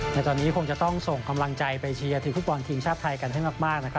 ในตอนนี้คงจะต้องส่งกำลังใจไปเชียร์ทีมฟุตบอลทีมชาติไทยกันให้มาก